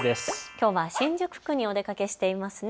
きょうは新宿区にお出かけしていますね。